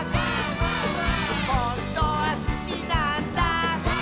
「ほんとはすきなんだ」